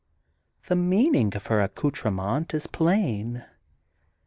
The meaning of her accoutrement is plain.